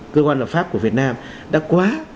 cơ quan pháp luật của việt nam đã quá